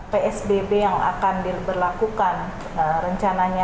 psbb yang akan diberlakukan rencananya tanggal empat belas